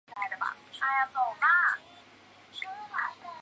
他成为南非非国大的第五任总统。